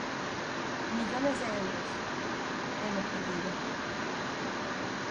Millones de euros, hemos perdido.